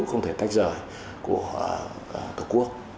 không thể tách rời của tổ quốc